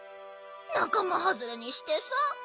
なかまはずれにしてさ。